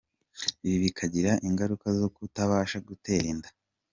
Ibi bikagira ingaruka zo kutabasha gutera inda.